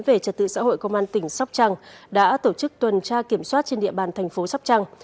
về trật tự xã hội công an tỉnh sóc trăng đã tổ chức tuần tra kiểm soát trên địa bàn thành phố sóc trăng